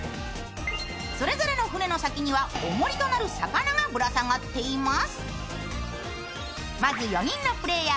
それぞれの船の先にはおもりとなる魚がぶら下がっています。